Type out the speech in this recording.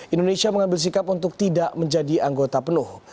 indonesia mengambil sikap untuk tidak menjadi anggota penuh